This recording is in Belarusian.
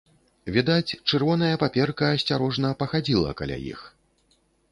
Відаць, чырвоная паперка асцярожна пахадзіла каля іх.